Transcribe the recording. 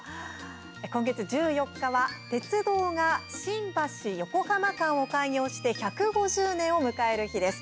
今月１４日は鉄道が新橋−横浜間を開業して１５０年を迎える日です。